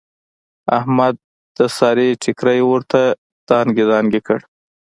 احمد د سارې ټیکری ورته دانګې دانګې کړ.